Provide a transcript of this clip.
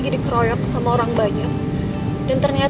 dan aku juga sendiri